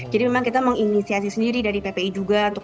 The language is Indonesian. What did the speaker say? jadi memang kita menginisiasi sendiri dari ppi juga untuk